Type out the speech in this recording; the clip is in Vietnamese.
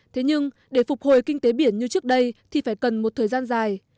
thế nhưng để phục hồi kinh tế biển như trước đây thì phải cần một thời gian dài